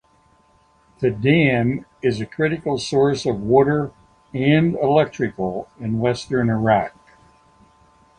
The dam is a critical source of water and electrical in western Iraq.